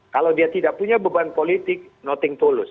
kalau dia tidak punya beban politik nothing to lose